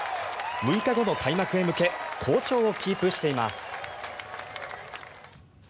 ６日後の開幕へ向け好調をキープしています。